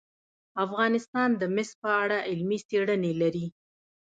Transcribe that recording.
افغانستان د مس په اړه علمي څېړنې لري.